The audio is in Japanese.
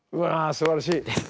すばらしい！